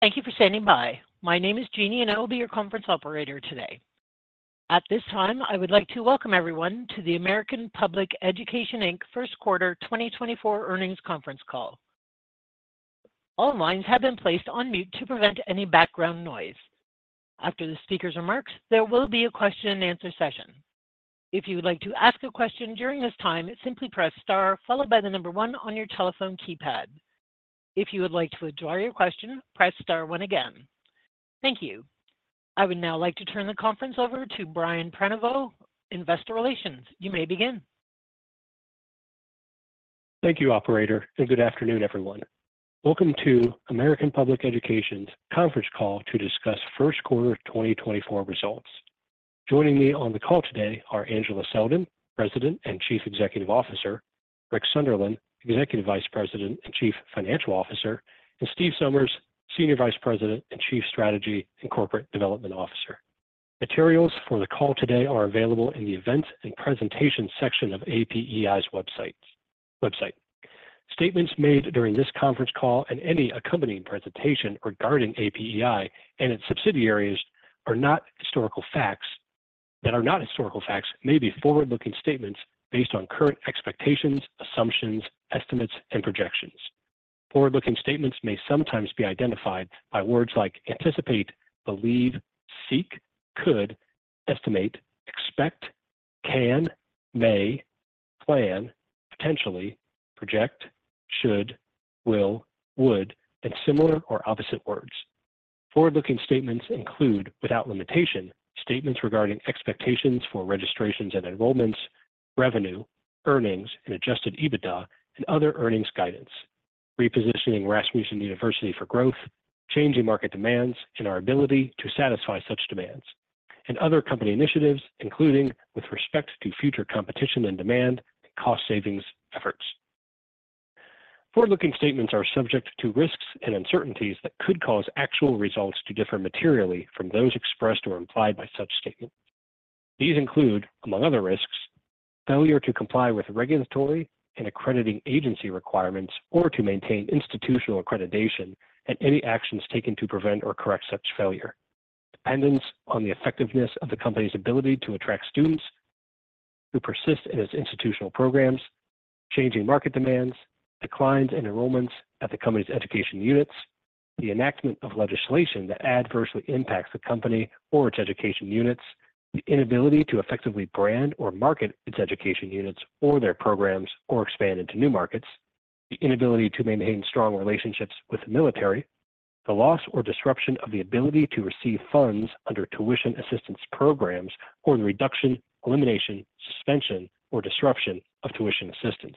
Thank you for standing by. My name is Jeannie, and I will be your conference operator today. At this time, I would like to welcome everyone to the American Public Education, Inc. first quarter 2024 earnings conference call. All lines have been placed on mute to prevent any background noise. After the speaker's remarks, there will be a question-and-answer session. If you would like to ask a question during this time, simply press star followed by the number one on your telephone keypad. If you would like to withdraw your question, press star one again. Thank you. I would now like to turn the conference over to Brian Prenoveau, Investor Relations. You may begin. Thank you, operator, and good afternoon, everyone. Welcome to American Public Education's conference call to discuss first quarter 2024 results. Joining me on the call today are Angela Selden, President and Chief Executive Officer, Rick Sunderland, Executive Vice President and Chief Financial Officer, and Steve Somers, Senior Vice President and Chief Strategy and Corporate Development Officer. Materials for the call today are available in the events and presentations section of APEI's website. Statements made during this conference call and any accompanying presentation regarding APEI and its subsidiaries are not historical facts. That are not historical facts may be forward-looking statements based on current expectations, assumptions, estimates, and projections. Forward-looking statements may sometimes be identified by words like anticipate, believe, seek, could, estimate, expect, can, may, plan, potentially, project, should, will, would, and similar or opposite words. Forward-looking statements include, without limitation, statements regarding expectations for registrations and enrollments, revenue, earnings, and adjusted EBITDA, and other earnings guidance, repositioning Rasmussen University for growth, changing market demands and our ability to satisfy such demands, and other company initiatives, including with respect to future competition and demand and cost-savings efforts. Forward-looking statements are subject to risks and uncertainties that could cause actual results to differ materially from those expressed or implied by such statements. These include, among other risks, failure to comply with regulatory and accrediting agency requirements or to maintain institutional accreditation and any actions taken to prevent or correct such failure; dependence on the effectiveness of the company's ability to attract students who persist in its institutional programs; changing market demands; declines in enrollments at the company's education units; the enactment of legislation that adversely impacts the company or its education units; the inability to effectively brand or market its education units or their programs or expand into new markets; the inability to maintain strong relationships with the military; the loss or disruption of the ability to receive funds under tuition assistance programs or the reduction, elimination, suspension, or disruption of tuition assistance;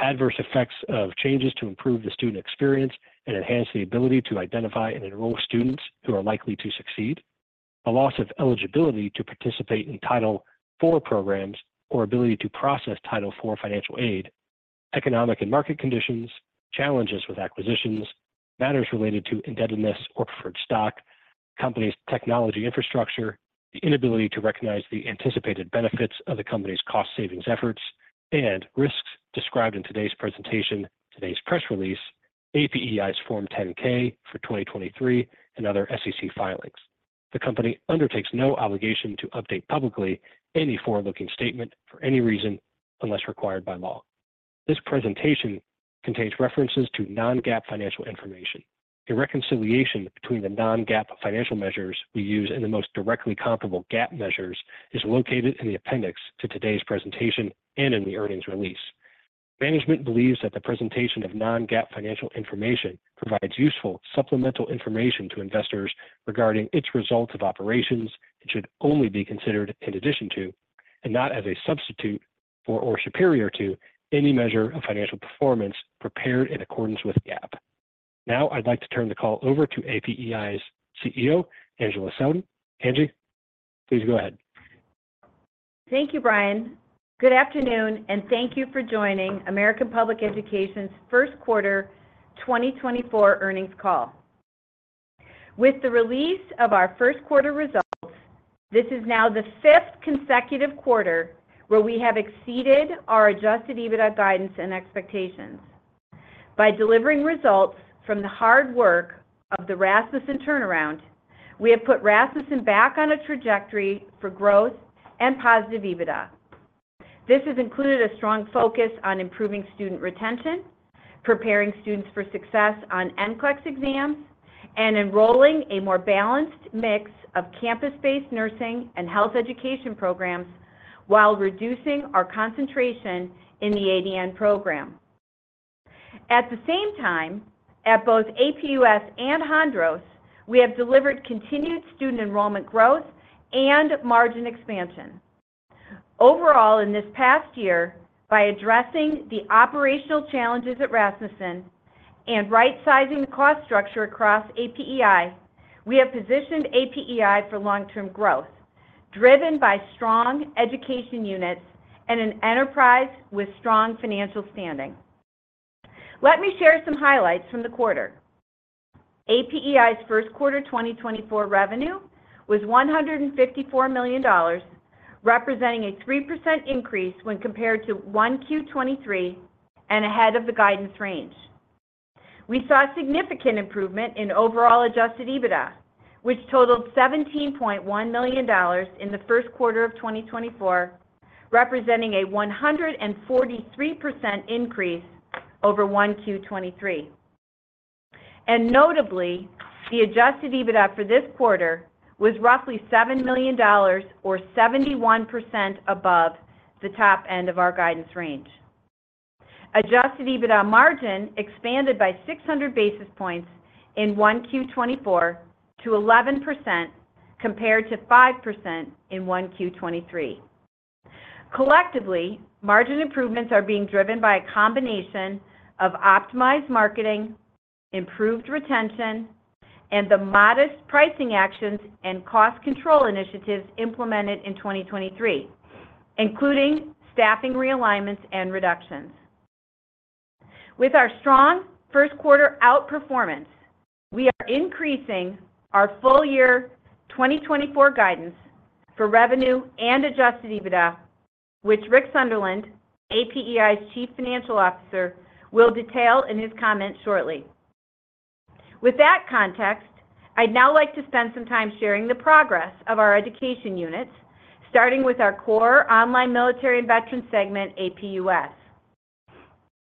adverse effects of changes to improve the student experience and enhance the ability to identify and enroll students who are likely to succeed; the loss of eligibility to participate in Title IV programs or ability to process Title IV financial aid; economic and market conditions; challenges with acquisitions; matters related to indebtedness or preferred stock; the company's technology infrastructure; the inability to recognize the anticipated benefits of the company's cost-savings efforts; and risks described in today's presentation, today's press release, APEI's Form 10-K for 2023, and other SEC filings. The company undertakes no obligation to update publicly any forward-looking statement for any reason unless required by law. This presentation contains references to non-GAAP financial information. A reconciliation between the non-GAAP financial measures we use and the most directly comparable GAAP measures is located in the appendix to today's presentation and in the earnings release. Management believes that the presentation of non-GAAP financial information provides useful supplemental information to investors regarding its results of operations and should only be considered in addition to, and not as a substitute for or superior to, any measure of financial performance prepared in accordance with GAAP. Now I'd like to turn the call over to APEI's CEO, Angela Selden. Angie, please go ahead. Thank you, Brian. Good afternoon, and thank you for joining American Public Education's first quarter 2024 earnings call. With the release of our first quarter results, this is now the fifth consecutive quarter where we have exceeded our Adjusted EBITDA guidance and expectations. By delivering results from the hard work of the Rasmussen turnaround, we have put Rasmussen back on a trajectory for growth and positive EBITDA. This has included a strong focus on improving student retention, preparing students for success on NCLEX exams, and enrolling a more balanced mix of campus-based nursing and health education programs while reducing our concentration in the ADN program. At the same time, at both APUS and Hondros, we have delivered continued student enrollment growth and margin expansion. Overall, in this past year, by addressing the operational challenges at Rasmussen and right-sizing the cost structure across APEI, we have positioned APEI for long-term growth, driven by strong education units and an enterprise with strong financial standing. Let me share some highlights from the quarter. APEI's first quarter 2024 revenue was $154 million, representing a 3% increase when compared to 1Q 2023 and ahead of the guidance range. We saw significant improvement in overall Adjusted EBITDA, which totaled $17.1 million in the first quarter of 2024, representing a 143% increase over 1Q 2023. Notably, the Adjusted EBITDA for this quarter was roughly $7 million or 71% above the top end of our guidance range. Adjusted EBITDA margin expanded by 600 basis points in 1Q 2024 to 11% compared to 5% in 1Q 2023. Collectively, margin improvements are being driven by a combination of optimized marketing, improved retention, and the modest pricing actions and cost control initiatives implemented in 2023, including staffing realignments and reductions. With our strong first quarter outperformance, we are increasing our full-year 2024 guidance for revenue and Adjusted EBITDA, which Rick Sunderland, APEI's Chief Financial Officer, will detail in his comments shortly. With that context, I'd now like to spend some time sharing the progress of our education units, starting with our core online military and veteran segment, APUS.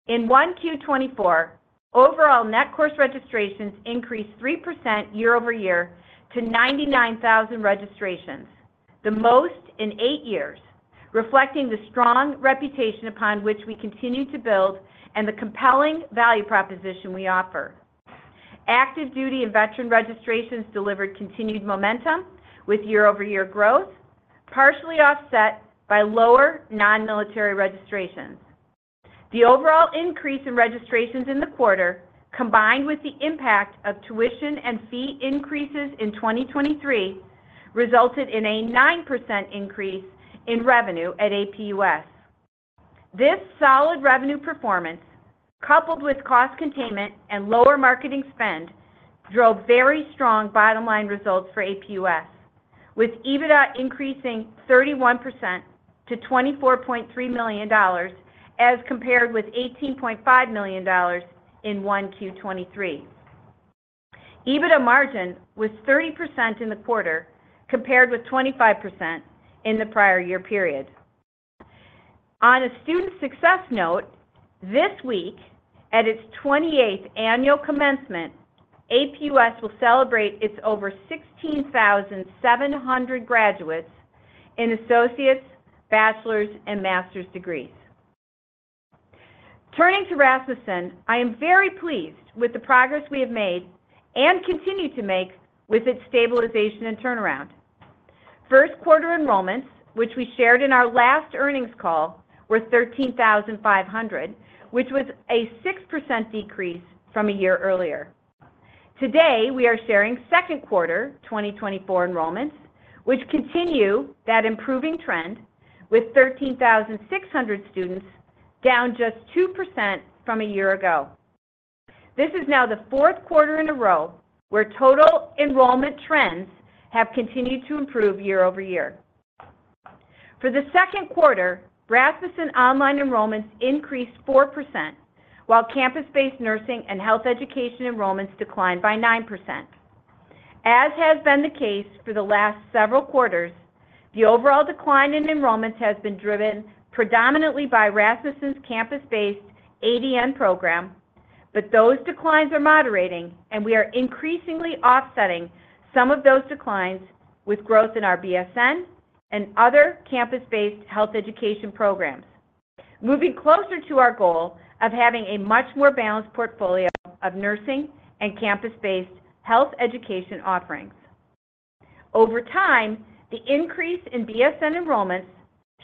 In 1Q 2024, overall net course registrations increased 3% year-over-year to 99,000 registrations, the most in eight years, reflecting the strong reputation upon which we continue to build and the compelling value proposition we offer. Active duty and veteran registrations delivered continued momentum with year-over-year growth, partially offset by lower non-military registrations. The overall increase in registrations in the quarter, combined with the impact of tuition and fee increases in 2023, resulted in a 9% increase in revenue at APUS. This solid revenue performance, coupled with cost containment and lower marketing spend, drove very strong bottom-line results for APUS, with EBITDA increasing 31% to $24.3 million as compared with $18.5 million in 1Q 2023. EBITDA margin was 30% in the quarter compared with 25% in the prior year period. On a student success note, this week, at its 28th annual commencement, APUS will celebrate its over 16,700 graduates in associates, bachelor's, and master's degrees. Turning to Rasmussen, I am very pleased with the progress we have made and continue to make with its stabilization and turnaround. First quarter enrollments, which we shared in our last earnings call, were 13,500, which was a 6% decrease from a year earlier. Today, we are sharing second quarter 2024 enrollments, which continue that improving trend with 13,600 students down just 2% from a year ago. This is now the fourth quarter in a row where total enrollment trends have continued to improve year-over-year. For the second quarter, Rasmussen online enrollments increased 4%, while campus-based nursing and health education enrollments declined by 9%. As has been the case for the last several quarters, the overall decline in enrollments has been driven predominantly by Rasmussen's campus-based ADN program, but those declines are moderating, and we are increasingly offsetting some of those declines with growth in our BSN and other campus-based health education programs, moving closer to our goal of having a much more balanced portfolio of nursing and campus-based health education offerings. Over time, the increase in BSN enrollments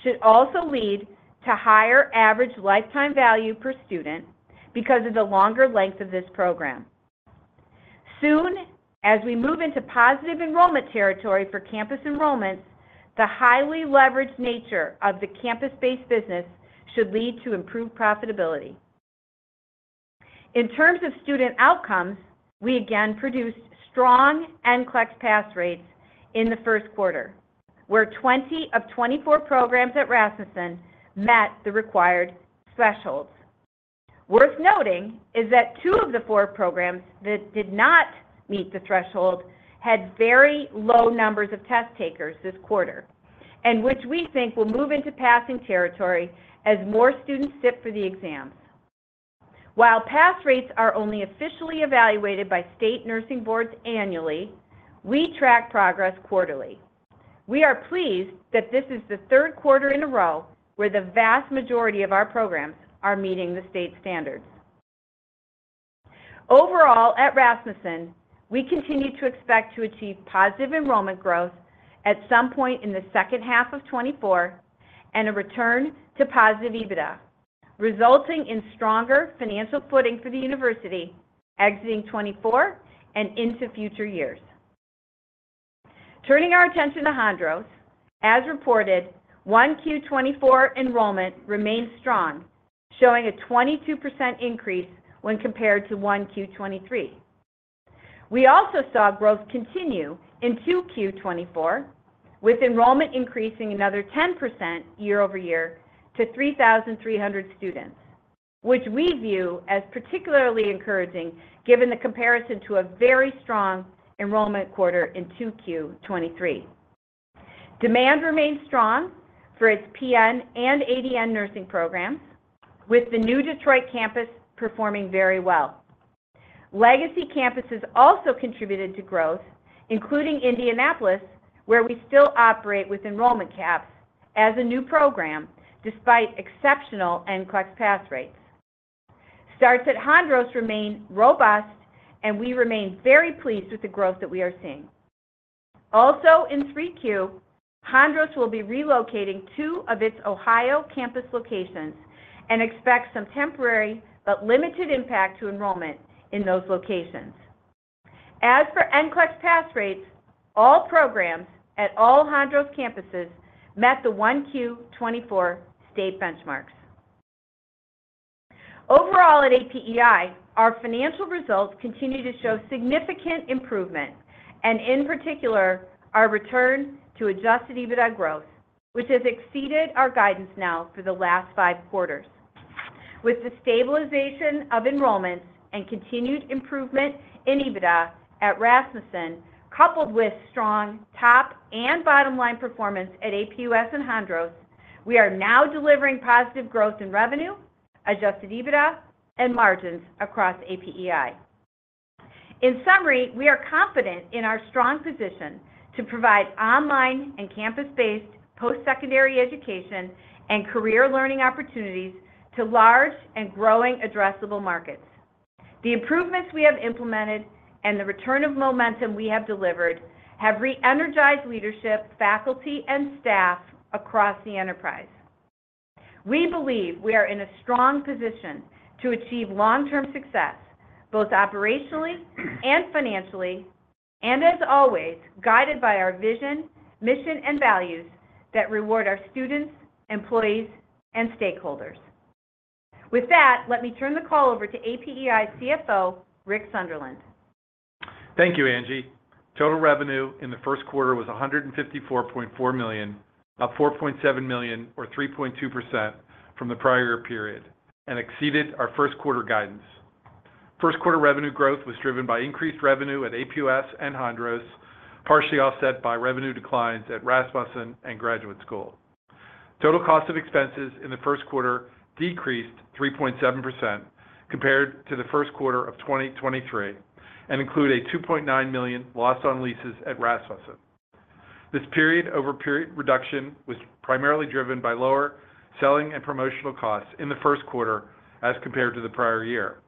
should also lead to higher average lifetime value per student because of the longer length of this program. Soon, as we move into positive enrollment territory for campus enrollments, the highly leveraged nature of the campus-based business should lead to improved profitability. In terms of student outcomes, we again produced strong NCLEX pass rates in the first quarter, where 20 of 24 programs at Rasmussen met the required thresholds. Worth noting is that two of the four programs that did not meet the threshold had very low numbers of test takers this quarter, and which we think will move into passing territory as more students sit for the exams. While pass rates are only officially evaluated by state nursing boards annually, we track progress quarterly. We are pleased that this is the third quarter in a row where the vast majority of our programs are meeting the state standards. Overall, at Rasmussen, we continue to expect to achieve positive enrollment growth at some point in the second half of 2024 and a return to positive EBITDA, resulting in stronger financial footing for the university exiting 2024 and into future years. Turning our attention to Hondros, as reported, 1Q 2024 enrollment remained strong, showing a 22% increase when compared to 1Q 2023. We also saw growth continue in 2Q 2024, with enrollment increasing another 10% year-over-year to 3,300 students, which we view as particularly encouraging given the comparison to a very strong enrollment quarter in 2Q 2023. Demand remained strong for its PN and ADN nursing programs, with the new Detroit campus performing very well. Legacy campuses also contributed to growth, including Indianapolis, where we still operate with enrollment caps as a new program despite exceptional NCLEX pass rates. Starts at Hondros remain robust, and we remain very pleased with the growth that we are seeing. Also, in 3Q, Hondros will be relocating two of its Ohio campus locations and expects some temporary but limited impact to enrollment in those locations. As for NCLEX pass rates, all programs at all Hondros campuses met the 1Q 2024 state benchmarks. Overall, at APEI, our financial results continue to show significant improvement, and in particular, our return to Adjusted EBITDA growth, which has exceeded our guidance now for the last five quarters. With the stabilization of enrollments and continued improvement in EBITDA at Rasmussen, coupled with strong top and bottom-line performance at APUS and Hondros, we are now delivering positive growth in revenue, Adjusted EBITDA, and margins across APEI. In summary, we are confident in our strong position to provide online and campus-based post-secondary education and career learning opportunities to large and growing addressable markets. The improvements we have implemented and the return of momentum we have delivered have re-energized leadership, faculty, and staff across the enterprise. We believe we are in a strong position to achieve long-term success both operationally and financially, and as always, guided by our vision, mission, and values that reward our students, employees, and stakeholders. With that, let me turn the call over to APEI, CFO, Rick Sunderland. Thank you, Angie. Total revenue in the first quarter was $154.4 million, up $4.7 million or 3.2% from the prior year period, and exceeded our first quarter guidance. First quarter revenue growth was driven by increased revenue at APUS and Hondros, partially offset by revenue declines at Rasmussen and Graduate School. Total cost of expenses in the first quarter decreased 3.7% compared to the first quarter of 2023 and include a $2.9 million loss on leases at Rasmussen. This period-over-period reduction was primarily driven by lower selling and promotional costs in the first quarter as compared to the prior year.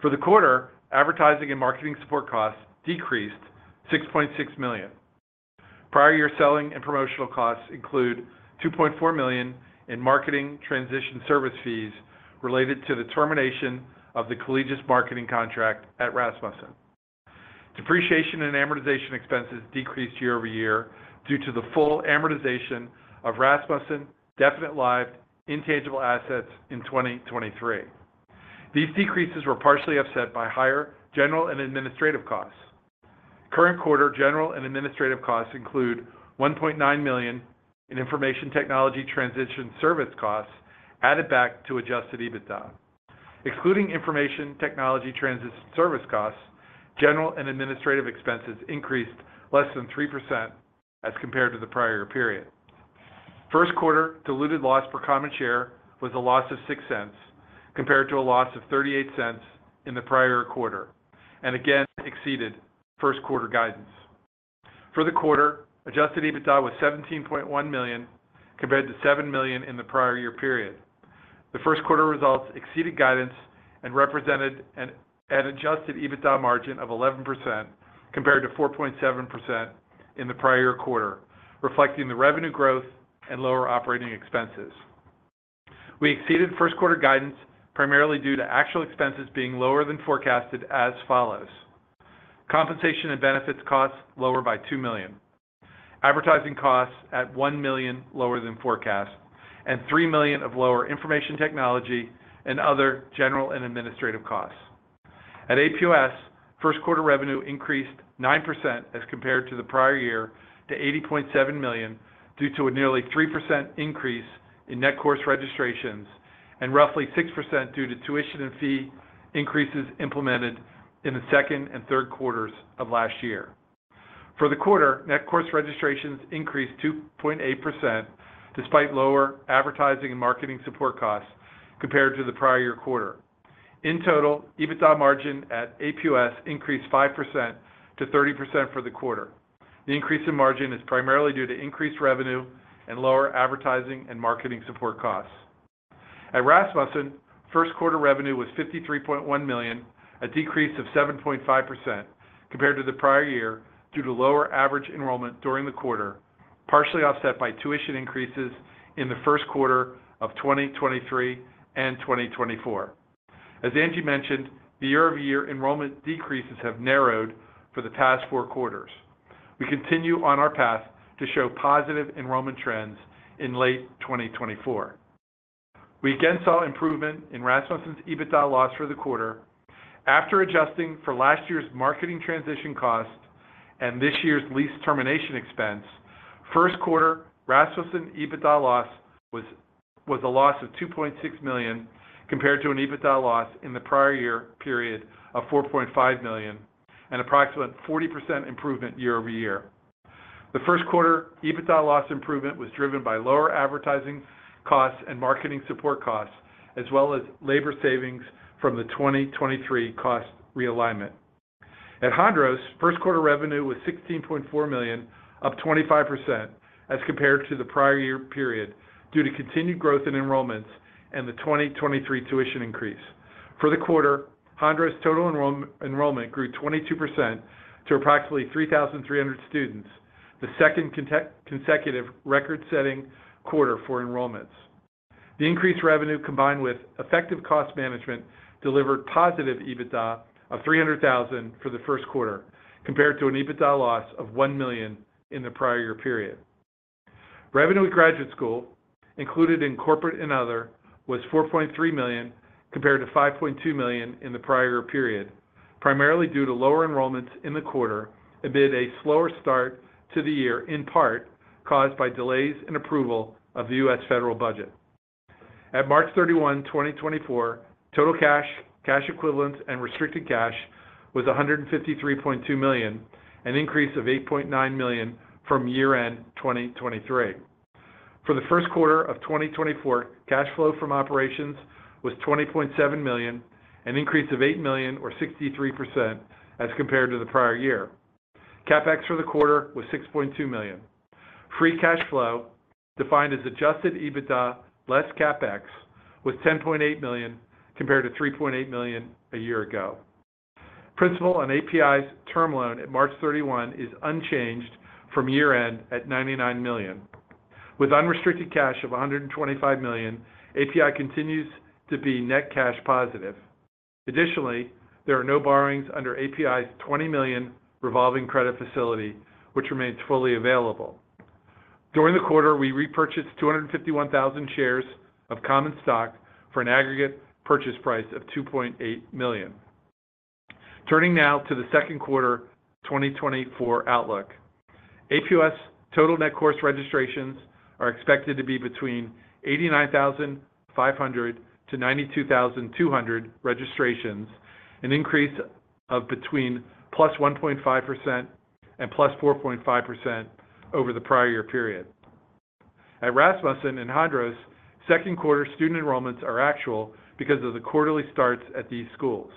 For the quarter, advertising and marketing support costs decreased $6.6 million. Prior year selling and promotional costs include $2.4 million in marketing transition service fees related to the termination of the Collegis marketing contract at Rasmussen. Depreciation and amortization expenses decreased year-over-year due to the full amortization of Rasmussen definite-lived intangible assets in 2023. These decreases were partially offset by higher general and administrative costs. Current quarter general and administrative costs include $1.9 million in information technology transition service costs added back to Adjusted EBITDA. Excluding information technology transition service costs, general and administrative expenses increased less than 3% as compared to the prior year period. First quarter diluted loss per common share was a loss of $0.06 compared to a loss of $0.38 in the prior quarter and again exceeded first quarter guidance. For the quarter, Adjusted EBITDA was $17.1 million compared to $7 million in the prior year period. The first quarter results exceeded guidance and represented an Adjusted EBITDA margin of 11% compared to 4.7% in the prior year quarter, reflecting the revenue growth and lower operating expenses. We exceeded first quarter guidance primarily due to actual expenses being lower than forecasted as follows: compensation and benefits costs lower by $2 million, advertising costs at $1 million lower than forecast, and $3 million of lower information technology and other general and administrative costs. At APUS, first quarter revenue increased 9% as compared to the prior year to $80.7 million due to a nearly 3% increase in net course registrations and roughly 6% due to tuition and fee increases implemented in the second and third quarters of last year. For the quarter, net course registrations increased 2.8% despite lower advertising and marketing support costs compared to the prior year quarter. In total, EBITDA margin at APUS increased 5% to 30% for the quarter. The increase in margin is primarily due to increased revenue and lower advertising and marketing support costs. At Rasmussen, first quarter revenue was $53.1 million, a decrease of 7.5% compared to the prior year due to lower average enrollment during the quarter, partially offset by tuition increases in the first quarter of 2023 and 2024. As Angie mentioned, the year-over-year enrollment decreases have narrowed for the past four quarters. We continue on our path to show positive enrollment trends in late 2024. We again saw improvement in Rasmussen's EBITDA loss for the quarter. After adjusting for last year's marketing transition costs and this year's lease termination expense, first quarter Rasmussen EBITDA loss was a loss of $2.6 million compared to an EBITDA loss in the prior year period of $4.5 million, an approximate 40% improvement year-over-year. The first quarter EBITDA loss improvement was driven by lower advertising costs and marketing support costs as well as labor savings from the 2023 cost realignment. At Hondros, first quarter revenue was $16.4 million, up 25% as compared to the prior year period due to continued growth in enrollments and the 2023 tuition increase. For the quarter, Hondros total enrollment grew 22% to approximately 3,300 students, the second consecutive record-setting quarter for enrollments. The increased revenue combined with effective cost management delivered positive EBITDA of $300,000 for the first quarter compared to an EBITDA loss of $1 million in the prior year period. Revenue at Graduate School, included in corporate and other, was $4.3 million compared to $5.2 million in the prior year period, primarily due to lower enrollments in the quarter amid a slower start to the year in part caused by delays in approval of the U.S. federal budget. At March 31, 2024, total cash, cash equivalents, and restricted cash was $153.2 million, an increase of $8.9 million from year-end 2023. For the first quarter of 2024, cash flow from operations was $20.7 million, an increase of $8 million or 63% as compared to the prior year. CapEx for the quarter was $6.2 million. Free cash flow, defined as adjusted EBITDA less CapEx, was $10.8 million compared to $3.8 million a year ago. Principal on APEI's term loan at March 31 is unchanged from year-end at $99 million. With unrestricted cash of $125 million, APEI continues to be net cash positive. Additionally, there are no borrowings under APEI's $20 million revolving credit facility, which remains fully available. During the quarter, we repurchased 251,000 shares of common stock for an aggregate purchase price of $2.8 million. Turning now to the second quarter 2024 outlook, APUS total net course registrations are expected to be between 89,500-92,200 registrations, an increase of between +1.5% and +4.5% over the prior year period. At Rasmussen and Hondros, second quarter student enrollments are actual because of the quarterly starts at these schools.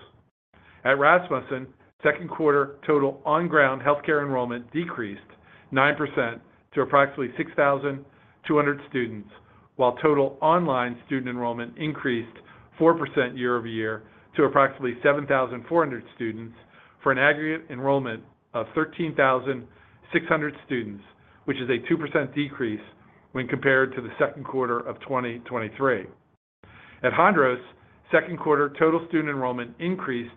At Rasmussen, second quarter total on-ground healthcare enrollment decreased 9% to approximately 6,200 students, while total online student enrollment increased 4% year-over-year to approximately 7,400 students for an aggregate enrollment of 13,600 students, which is a 2% decrease when compared to the second quarter of 2023. At Hondros, second quarter total student enrollment increased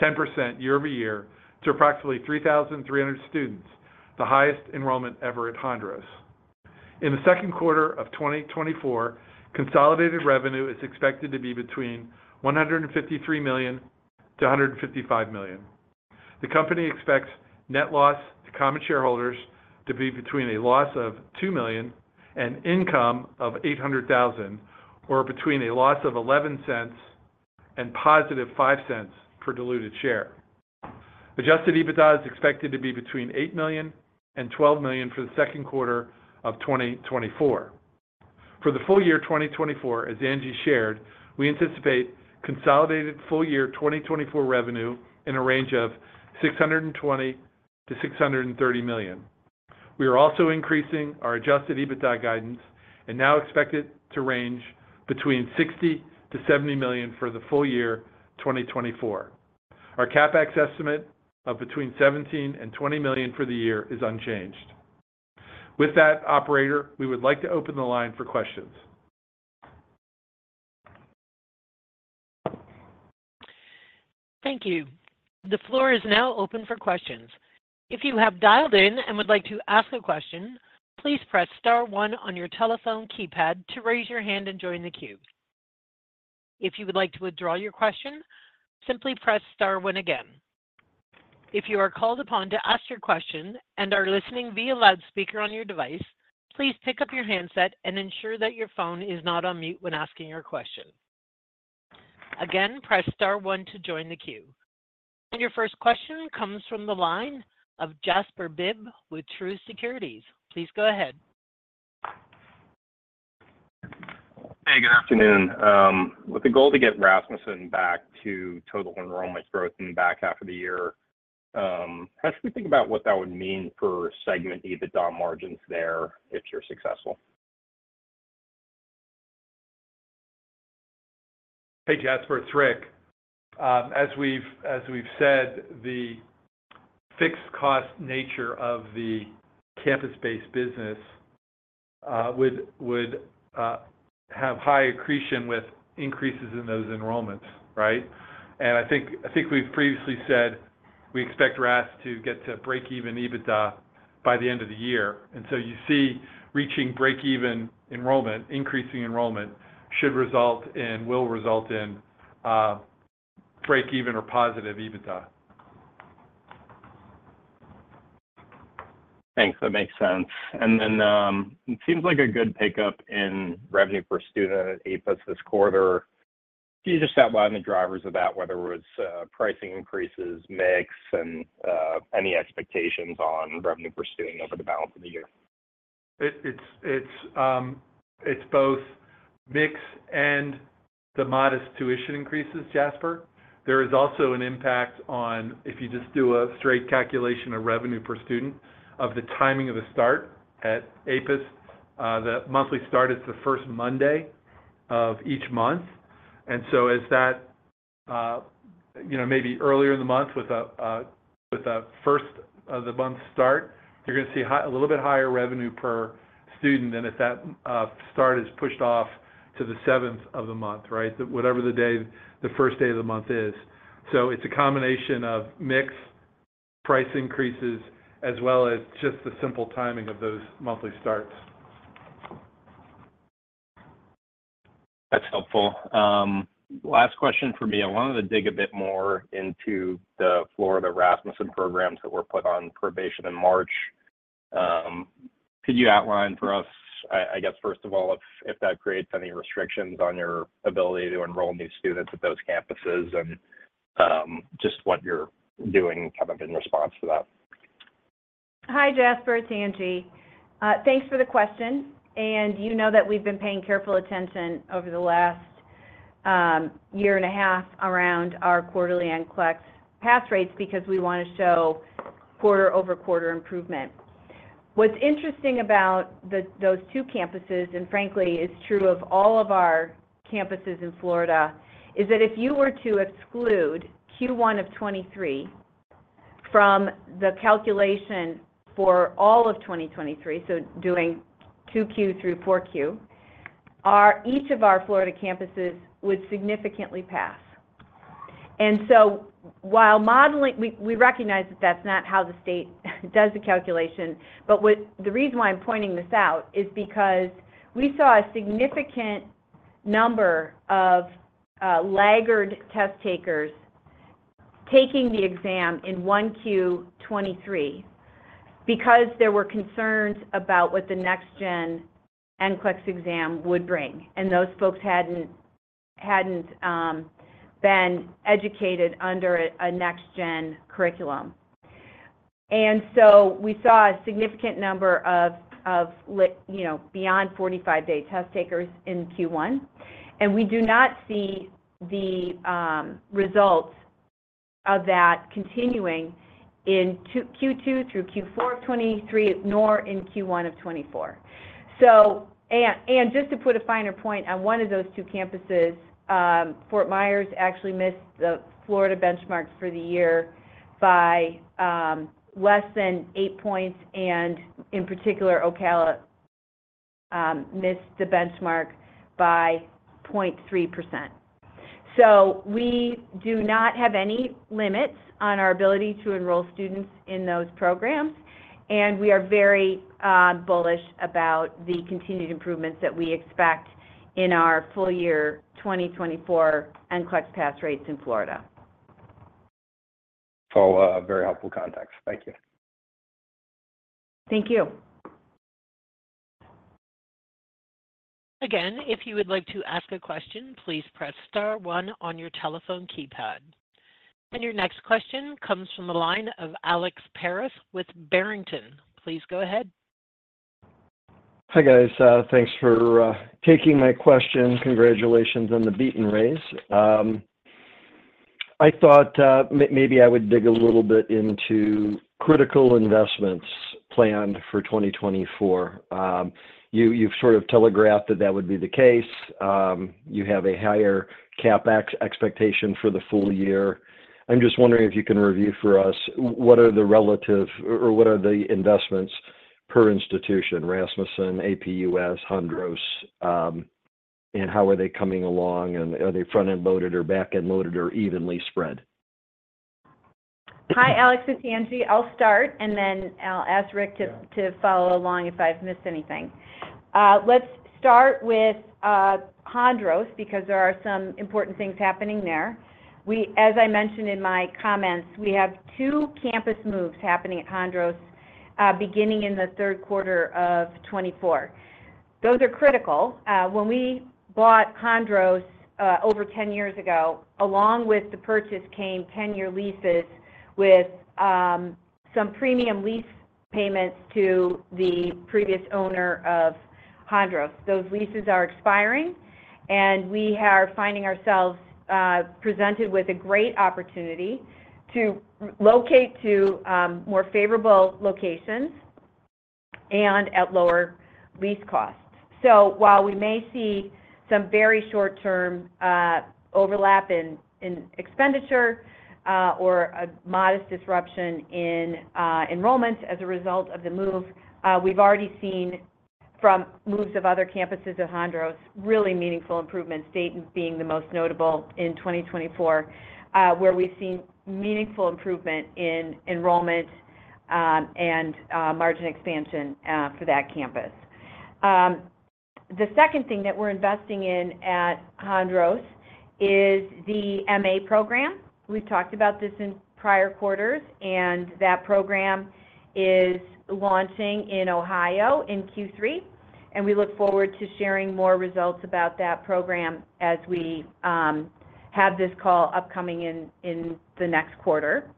10% year-over-year to approximately 3,300 students, the highest enrollment ever at Hondros. In the second quarter of 2024, consolidated revenue is expected to be between $153 million-$155 million. The company expects net loss to common shareholders to be between a loss of $2 million and income of $800,000, or between a loss of $0.11 and positive $0.05 for diluted share. Adjusted EBITDA is expected to be between $8 million and $12 million for the second quarter of 2024. For the full year 2024, as Angie shared, we anticipate consolidated full year 2024 revenue in a range of $620 million-$630 million. We are also increasing our adjusted EBITDA guidance and now expect it to range between $60 million-$70 million for the full year 2024. Our CapEx estimate of between $17 million and $20 million for the year is unchanged. With that, operator, we would like to open the line for questions. Thank you. The floor is now open for questions. If you have dialed in and would like to ask a question, please press star one on your telephone keypad to raise your hand and join the queue. If you would like to withdraw your question, simply press star one again. If you are called upon to ask your question and are listening via loudspeaker on your device, please pick up your handset and ensure that your phone is not on mute when asking your question. Again, press star one to join the queue. And your first question comes from the line of Jasper Bibb with Truist Securities. Please go ahead. Hey, good afternoon. With the goal to get Rasmussen back to total enrollment growth and back after the year, how should we think about what that would mean for segment EBITDA margins there if you're successful? Hey, Jasper. It's Rick. As we've said, the fixed cost nature of the campus-based business would have high accretion with increases in those enrollments, right? And I think we've previously said we expect RAS to get to break-even EBITDA by the end of the year. And so you see reaching break-even enrollment, increasing enrollment should result in will result in break-even or positive EBITDA. Thanks. That makes sense. And then it seems like a good pickup in revenue per student at APUS this quarter. Can you just outline the drivers of that, whether it was pricing increases, mix, and any expectations on revenue per student over the balance of the year? It's both mix and the modest tuition increases, Jasper. There is also an impact on if you just do a straight calculation of revenue per student of the timing of the start at APUS. The monthly start is the first Monday of each month. And so as that maybe earlier in the month with a first of the month start, you're going to see a little bit higher revenue per student than if that start is pushed off to the seventh of the month, right, whatever the first day of the month is. So it's a combination of mix, price increases, as well as just the simple timing of those monthly starts. That's helpful. Last question for me. I wanted to dig a bit more into the Florida Rasmussen programs that were put on probation in March. Could you outline for us, I guess, first of all, if that creates any restrictions on your ability to enroll new students at those campuses and just what you're doing kind of in response to that? Hi, Jasper. It's Angie. Thanks for the question. And you know that we've been paying careful attention over the last year and a half around our quarterly NCLEX pass rates because we want to show quarter-over-quarter improvement. What's interesting about those two campuses, and frankly, is true of all of our campuses in Florida, is that if you were to exclude Q1 of 2023 from the calculation for all of 2023, so doing 2Q through 4Q, each of our Florida campuses would significantly pass. And so while modeling we recognize that that's not how the state does the calculation, but the reason why I'm pointing this out is because we saw a significant number of laggard test takers taking the exam in 1Q 2023 because there were concerns about what the next-gen NCLEX exam would bring, and those folks hadn't been educated under a next-gen curriculum. We saw a significant number of beyond 45-day test takers in Q1. We do not see the results of that continuing in Q2 through Q4 of 2023, nor in Q1 of 2024. Just to put a finer point on one of those two campuses, Fort Myers actually missed the Florida benchmark for the year by less than 8 points, and in particular, Ocala missed the benchmark by 0.3%. We do not have any limits on our ability to enroll students in those programs, and we are very bullish about the continued improvements that we expect in our full year 2024 NCLEX pass rates in Florida. Very helpful context. Thank you. Thank you. Again, if you would like to ask a question, please press star one on your telephone keypad. Your next question comes from the line of Alex Paris with Barrington. Please go ahead. Hi, guys. Thanks for taking my question. Congratulations on the beat and raise. I thought maybe I would dig a little bit into critical investments planned for 2024. You've sort of telegraphed that that would be the case. You have a higher CapEx expectation for the full year. I'm just wondering if you can review for us what are the relative or what are the investments per institution, Rasmussen, APUS, Hondros, and how are they coming along, and are they front-end loaded or back-end loaded or evenly spread? Hi, Alex. It's Angie. I'll start, and then I'll ask Rick to follow along if I've missed anything. Let's start with Hondros because there are some important things happening there. As I mentioned in my comments, we have two campus moves happening at Hondros beginning in the third quarter of 2024. Those are critical. When we bought Hondros over 10 years ago, along with the purchase came 10-year leases with some premium lease payments to the previous owner of Hondros. Those leases are expiring, and we are finding ourselves presented with a great opportunity to locate to more favorable locations and at lower lease costs. So while we may see some very short-term overlap in expenditure or a modest disruption in enrollments as a result of the move, we've already seen from moves of other campuses at Hondros really meaningful improvements, State being the most notable in 2024, where we've seen meaningful improvement in enrollment and margin expansion for that campus. The second thing that we're investing in at Hondros is the MA program. We've talked about this in prior quarters, and that program is launching in Ohio in Q3. We look forward to sharing more results about that program as we have this call upcoming in the next quarter.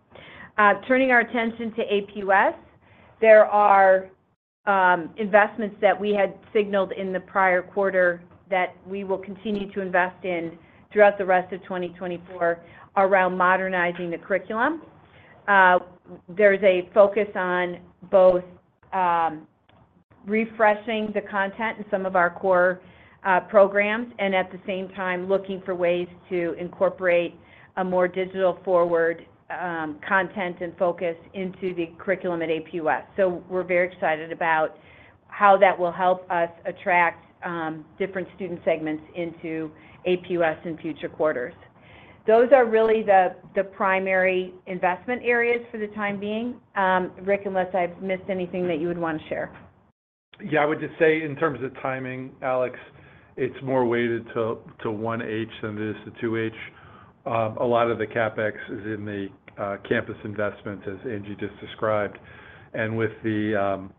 Turning our attention to APUS, there are investments that we had signaled in the prior quarter that we will continue to invest in throughout the rest of 2024 around modernizing the curriculum. There's a focus on both refreshing the content in some of our core programs and at the same time looking for ways to incorporate a more digital-forward content and focus into the curriculum at APUS. So we're very excited about how that will help us attract different student segments into APUS in future quarters. Those are really the primary investment areas for the time being, Rick, unless I've missed anything that you would want to share. Yeah. I would just say in terms of timing, Alex, it's more weighted to 1H than it is to 2H. A lot of the CapEx is in the campus investments, as Angie just described. And with the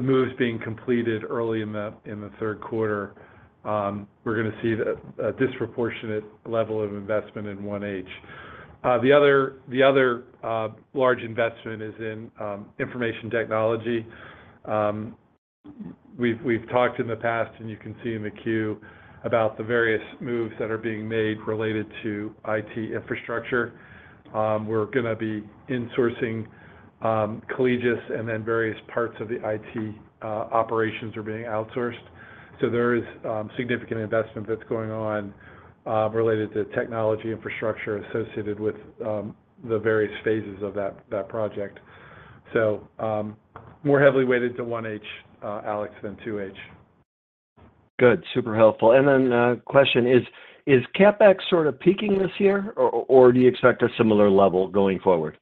moves being completed early in the third quarter, we're going to see a disproportionate level of investment in 1H. The other large investment is in information technology. We've talked in the past, and you can see in the Q, about the various moves that are being made related to IT infrastructure. We're going to be insourcing Collegis, and then various parts of the IT operations are being outsourced. So there is significant investment that's going on related to technology infrastructure associated with the various phases of that project. So more heavily weighted to 1H, Alex, than 2H. Good. Super helpful. Then question, is CapEx sort of peaking this year, or do you expect a similar level going forward?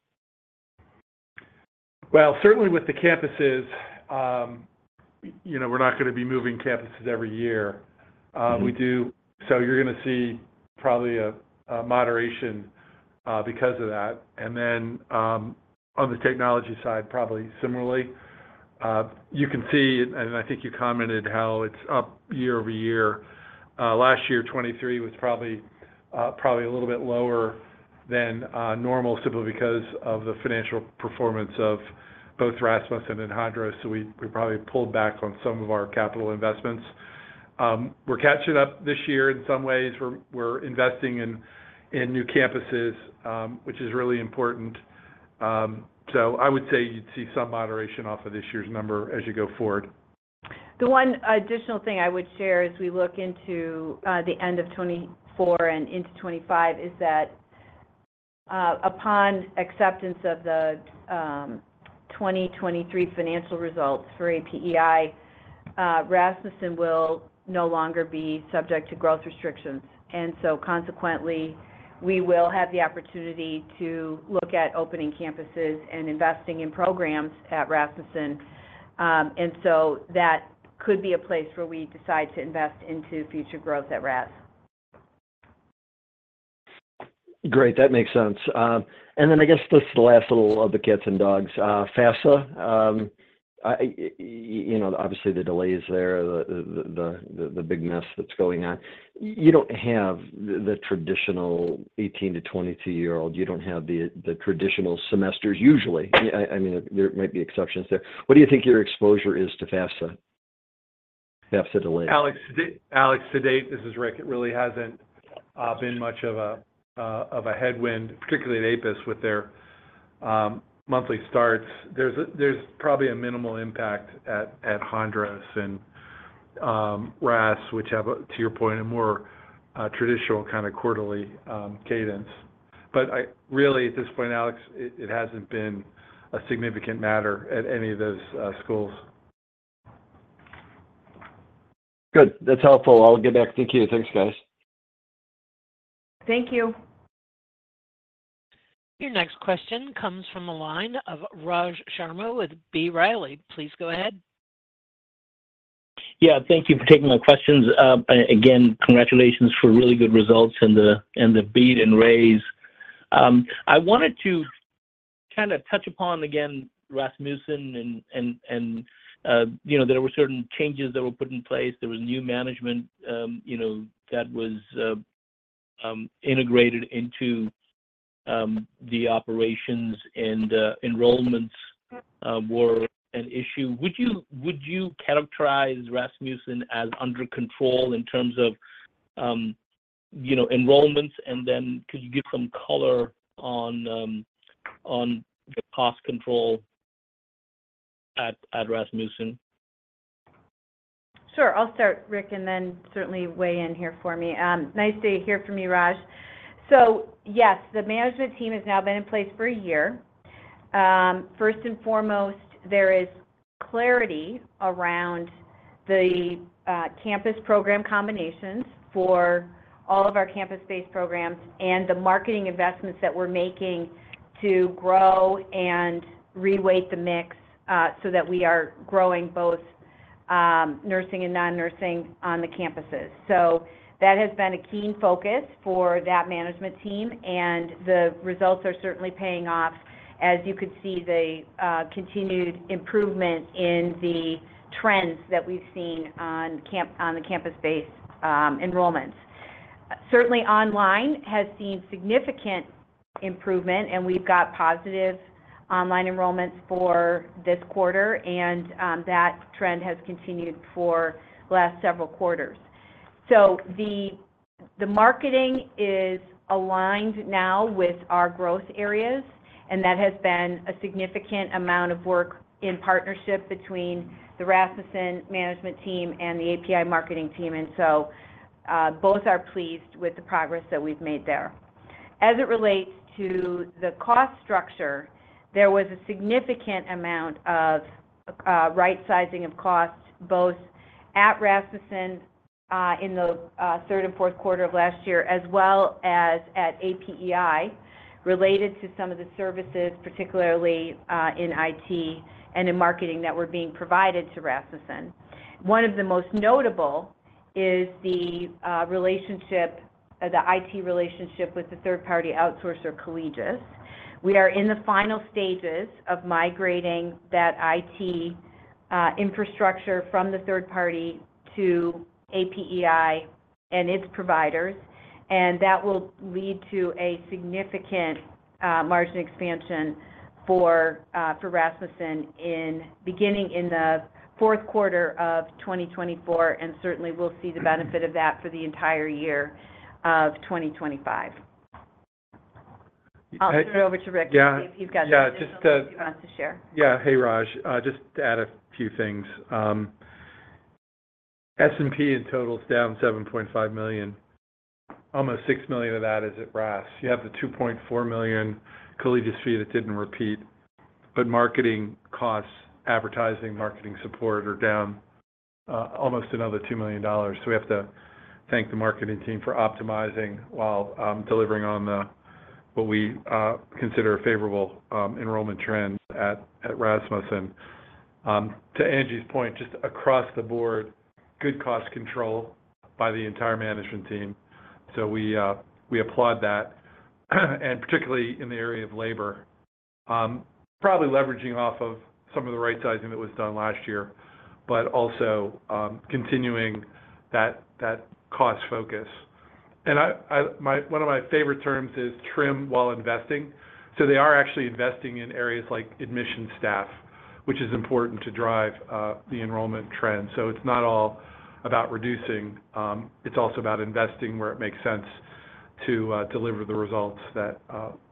Well, certainly with the campuses, we're not going to be moving campuses every year. So you're going to see probably a moderation because of that. And then on the technology side, probably similarly. You can see, and I think you commented how it's up year-over-year. Last year, 2023, was probably a little bit lower than normal simply because of the financial performance of both Rasmussen and Hondros, so we probably pulled back on some of our capital investments. We're catching up this year in some ways. We're investing in new campuses, which is really important. So I would say you'd see some moderation off of this year's number as you go forward. The one additional thing I would share as we look into the end of 2024 and into 2025 is that upon acceptance of the 2023 financial results for APEI, Rasmussen will no longer be subject to growth restrictions. Consequently, we will have the opportunity to look at opening campuses and investing in programs at Rasmussen. That could be a place where we decide to invest into future growth at RAS. Great. That makes sense. Then I guess this is the last little of the cats and dogs. FAFSA, obviously, the delay is there, the big mess that's going on. You don't have the traditional 18-22-year-old. You don't have the traditional semesters usually. I mean, there might be exceptions there. What do you think your exposure is to FAFSA delays? Alex, to date, this is Rick. It really hasn't been much of a headwind, particularly at APUS with their monthly starts. There's probably a minimal impact at Hondros and RAS, which have, to your point, a more traditional kind of quarterly cadence. But really, at this point, Alex, it hasn't been a significant matter at any of those schools. Good. That's helpful. I'll get back. Thank you. Thanks, guys. Thank you. Your next question comes from the line of Raj Sharma with B. Riley. Please go ahead. Yeah. Thank you for taking my questions. Again, congratulations for really good results and the beat and raise. I wanted to kind of touch upon, again, Rasmussen and that there were certain changes that were put in place. There was new management that was integrated into the operations, and enrollments were an issue. Would you characterize Rasmussen as under control in terms of enrollments, and then could you give some color on the cost control at Rasmussen? Sure. I'll start, Rick, and then certainly weigh in here for me. Nice to hear from you, Raj. So yes, the management team has now been in place for a year. First and foremost, there is clarity around the campus program combinations for all of our campus-based programs and the marketing investments that we're making to grow and reweight the mix so that we are growing both nursing and non-nursing on the campuses. So that has been a keen focus for that management team, and the results are certainly paying off as you could see the continued improvement in the trends that we've seen on the campus-based enrollments. Certainly, online has seen significant improvement, and we've got positive online enrollments for this quarter, and that trend has continued for the last several quarters. So the marketing is aligned now with our growth areas, and that has been a significant amount of work in partnership between the Rasmussen management team and the APEI marketing team. And so both are pleased with the progress that we've made there. As it relates to the cost structure, there was a significant amount of right-sizing of costs both at Rasmussen in the third and fourth quarter of last year as well as at APEI related to some of the services, particularly in IT and in marketing, that were being provided to Rasmussen. One of the most notable is the IT relationship with the third-party outsourcer Collegis. We are in the final stages of migrating that IT infrastructure from the third party to APEI and its providers, and that will lead to a significant margin expansion for Rasmussen beginning in the fourth quarter of 2024, and certainly, we'll see the benefit of that for the entire year of 2025. I'll turn it over to Rick. He's got something else he wants to share. Yeah. Hey, Raj. Just to add a few things. S&P in total is down $7.5 million. Almost $6 million of that is at RAS. You have the $2.4 million Collegis fee that didn't repeat, but marketing costs, advertising, marketing support are down almost another $2 million. So we have to thank the marketing team for optimizing while delivering on what we consider a favorable enrollment trend at Rasmussen. To Angie's point, just across the board, good cost control by the entire management team. So we applaud that, and particularly in the area of labor, probably leveraging off of some of the right-sizing that was done last year but also continuing that cost focus. One of my favorite terms is trim while investing. So they are actually investing in areas like admissions staff, which is important to drive the enrollment trend. So it's not all about reducing. It's also about investing where it makes sense to deliver the results that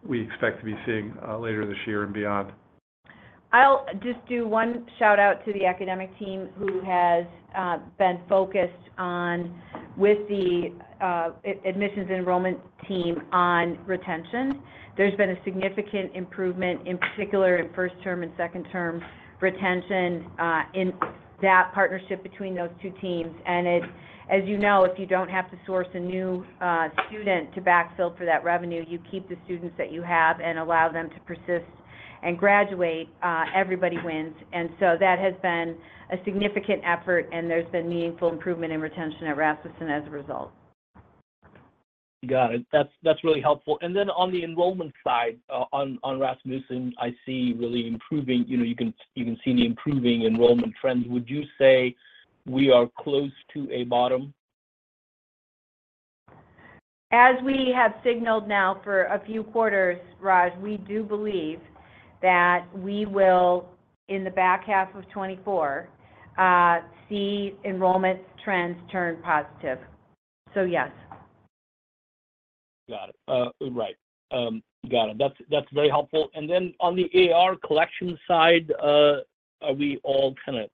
we expect to be seeing later this year and beyond. I'll just do one shout-out to the academic team who has been focused with the admissions and enrollment team on retention. There's been a significant improvement, in particular, in first-term and second-term retention in that partnership between those two teams. As you know, if you don't have to source a new student to backfill for that revenue, you keep the students that you have and allow them to persist and graduate. Everybody wins. So that has been a significant effort, and there's been meaningful improvement in retention at Rasmussen as a result. Got it. That's really helpful. And then on the enrollment side on Rasmussen, I see really improving. You can see the improving enrollment trends. Would you say we are close to a bottom? As we have signaled now for a few quarters, Raj, we do believe that we will, in the back half of 2024, see enrollment trends turn positive. So yes. Got it. Right. Got it. That's very helpful. And then on the AR collection side, are we all kind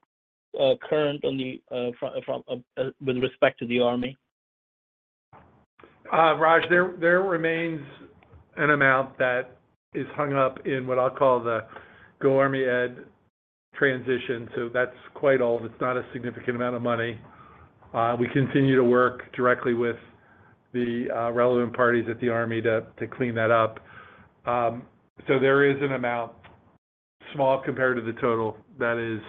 of current with respect to the Army? Raj, there remains an amount that is hung up in what I'll call the GoArmyEd transition. So that's quite old. It's not a significant amount of money. We continue to work directly with the relevant parties at the Army to clean that up. So there is an amount small compared to the total that is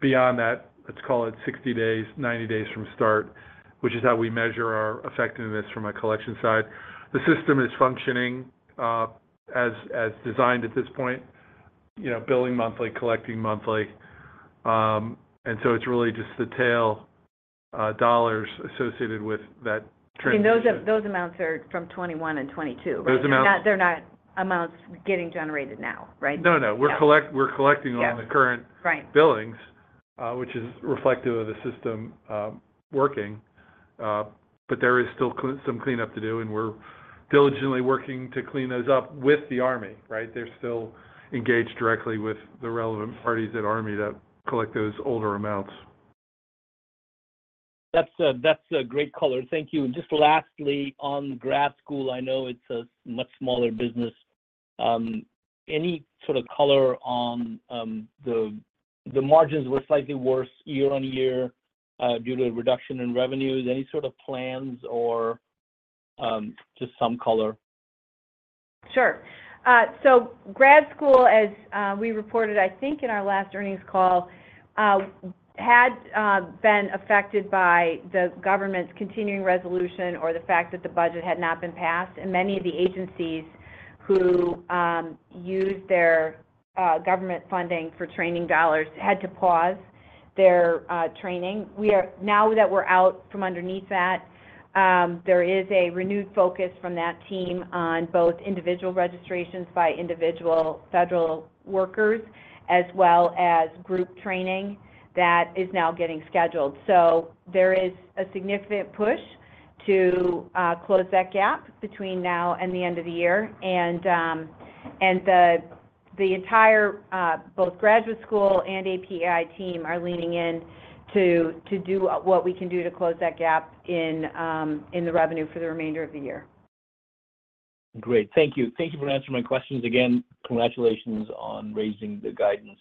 beyond that, let's call it 60 days, 90 days from start, which is how we measure our effectiveness from a collection side. The system is functioning as designed at this point, billing monthly, collecting monthly. And so it's really just the tail dollars associated with that trend. I mean, those amounts are from 2021 and 2022, right? Those amounts. They're not amounts getting generated now, right? No, no. We're collecting on the current billings, which is reflective of the system working. But there is still some cleanup to do, and we're diligently working to clean those up with the Army, right? They're still engaged directly with the relevant parties at Army to collect those older amounts. That's great color. Thank you. Just lastly, on grad school, I know it's a much smaller business. Any sort of color on the margins were slightly worse year on year due to a reduction in revenues? Any sort of plans or just some color? Sure. So grad school, as we reported, I think, in our last earnings call, had been affected by the government's continuing resolution or the fact that the budget had not been passed, and many of the agencies who used their government funding for training dollars had to pause their training. Now that we're out from underneath that, there is a renewed focus from that team on both individual registrations by individual federal workers as well as group training that is now getting scheduled. So there is a significant push to close that gap between now and the end of the year. And the entire both graduate school and APEI team are leaning in to do what we can do to close that gap in the revenue for the remainder of the year. Great. Thank you. Thank you for answering my questions. Again, congratulations on raising the guidance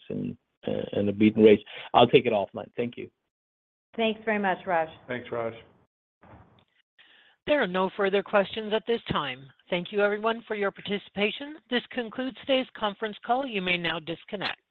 and the beat and raise. I'll take it offline. Thank you. Thanks very much, Raj. Thanks, Raj. There are no further questions at this time. Thank you, everyone, for your participation. This concludes today's conference call. You may now disconnect.